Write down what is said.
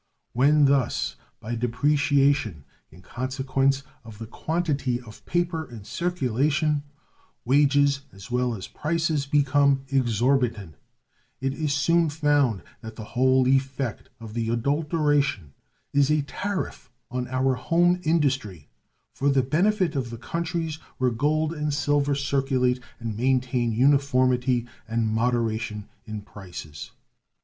When thus, by depreciation in consequence of the quantity of paper in circulation, wages as well as prices become exorbitant, it is soon found that the whole effect of the adulteration is a tariff on our home industry for the benefit of the countries where gold and silver circulate and maintain uniformity and moderation in prices.